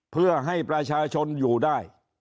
เพื่อให้ประชาชนอยู่ได้